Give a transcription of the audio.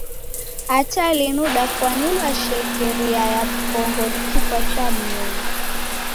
Hata linu dafwanilwa shekeria ya w'ukongo ni kifwa cha mumi.